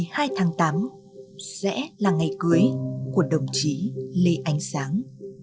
ngày một mươi hai tháng tám sẽ là ngày cưới của đồng chí lê ánh sáng